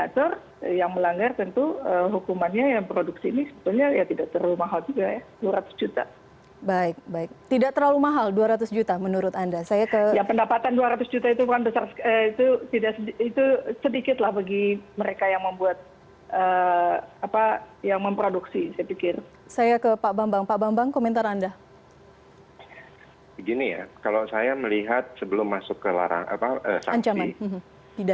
cukup lama membahas hal ini